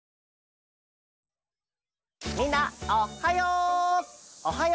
みんなおっはよ！